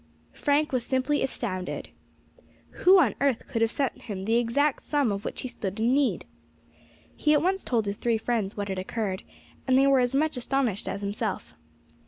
Frank was simply astounded. Who on earth could have sent him the exact sum of which he stood in need? He at once told his three friends what had occurred, and they were as much astonished as himself.